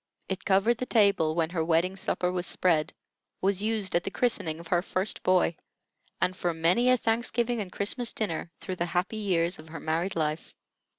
It covered the table when her wedding supper was spread, was used at the christening of her first boy, and for many a Thanksgiving and Christmas dinner through the happy years of her married life.